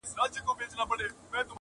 ووایه نسیمه نن سبا ارغوان څه ویل!!